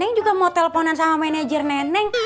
neng juga mau teleponan sama manajer neneng